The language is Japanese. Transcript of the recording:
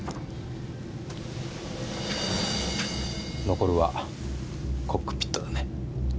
残るはコックピットだね。